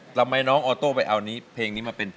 ทำไมน้องอัตโนไปเอานี้เพลงนี้เป็นเพลงเก่ง